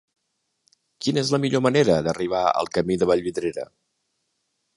Quina és la millor manera d'arribar al camí de Vallvidrera?